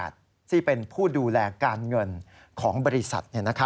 ที่เป็นผู้ดูแลการเงินของบริษัท